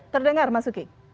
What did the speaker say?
terdengar mas uki